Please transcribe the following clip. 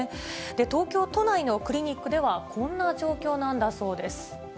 東京都内のクリニックでは、こんな状況なんだそうです。